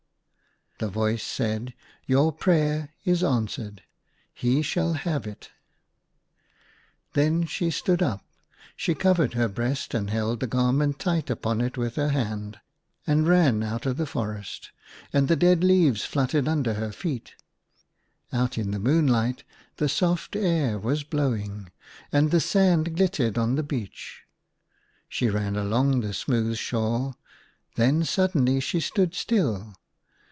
The voice said, "Your prayer is answered; he shall have it." 62 IN A FAR OFF WORLD. Then she stood up. She covered her breast and held the garment tight upon it with her hand, and ran out of the forest, and the dead leaves fluttered under her feet. Out in the moonlight the soft air was blowing, and the sand glittered on the beach. She ran along the smooth shore, then suddenly she stood still.